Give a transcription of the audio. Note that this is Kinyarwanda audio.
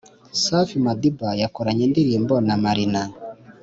Safi madiba yakoranye indirimbo na marina